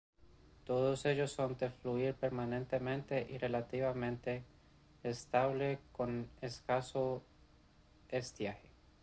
Todos ellos son de fluir permanente y relativamente estable, con escaso estiaje.